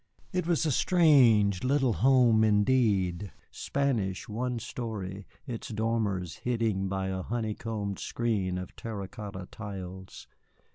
It was a strange little home indeed, Spanish, one story, its dormers hidden by a honeycombed screen of terra cotta tiles.